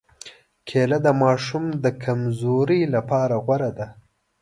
کېله د ماشو د کمزورۍ لپاره غوره ده.